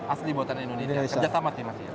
asli buatan indonesia kerjasama sih mas